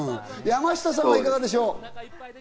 山下さんはいかがでしょう？